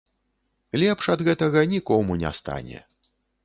Лепш ад гэтага нікому не стане.